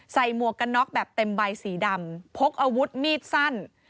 หมวกกันน็อกแบบเต็มใบสีดำพกอาวุธมีดสั้น